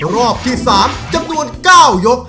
รอบที่๓จำนวน๙ยก